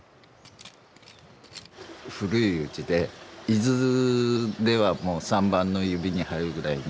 古い家で伊豆では３番の指に入るぐらいに。